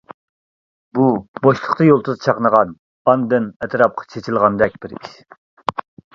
بۇ بوشلۇقتا يۇلتۇز چاقنىغان ئاندىن ئەتراپقا چېچىلغاندەك بىر ئىش.